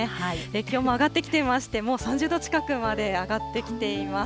気温も上がってきていまして、もう３０度近くまで上がってきています。